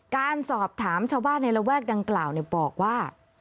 การสอบถามชาวบ้านในระแวกดังกล่าวบอกว่า